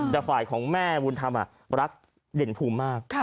แต่ฝ่ายของแม่บุญธรรมรักเด่นภูมิมาก